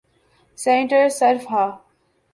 sanitizer صرف ہا